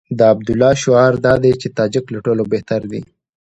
د عبدالله شعار دا دی چې تاجک له ټولو بهتر دي.